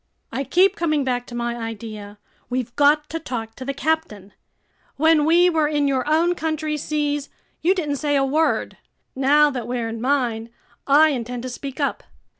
"I keep coming back to my idea. We've got to talk to the captain. When we were in your own country's seas, you didn't say a word. Now that we're in mine, I intend to speak up.